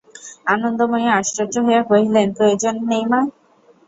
আনন্দময়ী আশ্চর্য হইয়া কহিলেন, প্রয়োজন নেই মা?